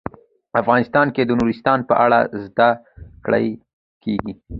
افغانستان کې د نورستان په اړه زده کړه کېږي.